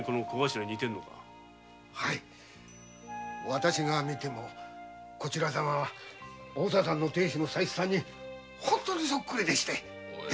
私が見てもこちら様はお房さんの亭主の佐七さんに本当にそっくりでしてはい。